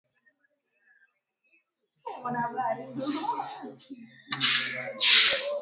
mahakama moja jijini hong kong china imemtupa jela mwanasiasa mashuhuri wa ufilipino ronald sinsang